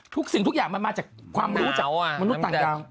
สิ่งทุกอย่างมันมาจากความรู้จากมนุษย์ต่างดาว